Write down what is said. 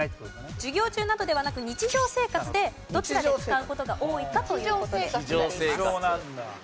授業中などではなく日常生活でどちらで使う事が多いかという事になります。